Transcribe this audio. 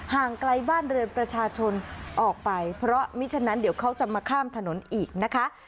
ห่างไกลบ้านเรือนประชาชนออกไปเพราะมิฉะนั้นเดี๋ยวเขาจะมาข้ามถนนอีกนะคะ